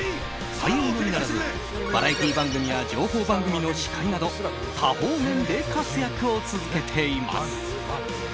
俳優のみならずバラエティー番組や情報番組の司会など多方面で活躍を続けています。